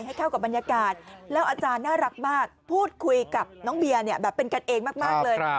ให้เข้ากับบรรยากาศแล้วอาจารย์น่ารักมากพูดคุยกับน้องเบียร์เนี่ยแบบเป็นกันเองมากเลย